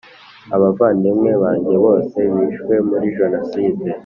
Abavandimwe banjye bose bishwe muri Jenoside